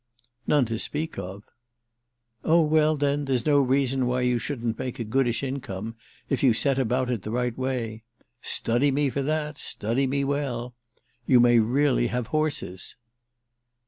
"None to speak of." "Oh well then there's no reason why you shouldn't make a goodish income—if you set about it the right way. Study me for that—study me well. You may really have horses."